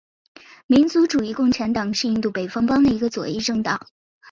民族主义共产党是印度北方邦的一个左翼政党。